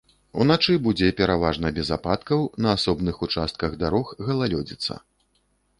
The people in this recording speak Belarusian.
Уначы будзе пераважна без ападкаў, на асобных участках дарог галалёдзіца.